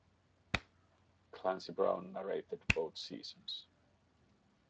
Clancy Brown narrated both seasons.